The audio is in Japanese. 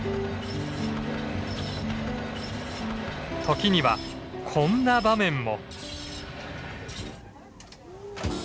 時にはこんな場面も。